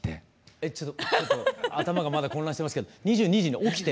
えっちょっと頭がまだ混乱してますけど２２時に起きて？